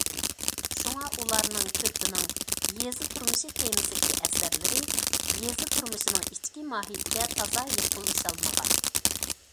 شۇڭا ئۇلارنىڭ كۆپىنىڭ يېزا تۇرمۇشى تېمىسىدىكى ئەسەرلىرى يېزا تۇرمۇشىنىڭ ئىچكى ماھىيىتىگە تازا يېقىنلىشالمىغان.